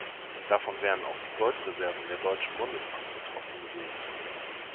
Davon wären auch die Goldreserven der Deutschen Bundesbank betroffen gewesen.